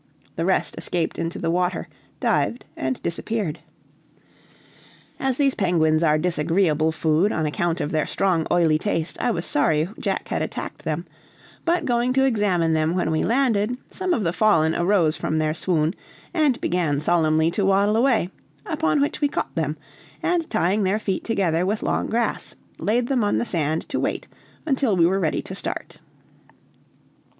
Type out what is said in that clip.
The rest escaped into the water, dived, and disappeared. As these penguins are disagreeable food, on account of their strong, oily taste, I was sorry Jack had attacked them; but going to examine them when we landed, some of the fallen arose from their swoon, and began solemnly to waddle away, upon which we caught them, and tying their feet together with long grass, laid them on the sand to wait until we were ready to start.